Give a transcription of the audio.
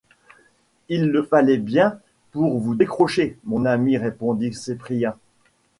Il le fallait bien pour vous décrocher, mon ami! répondit Cyprien.